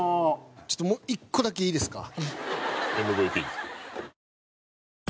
ちょっともう１個だけいいですか？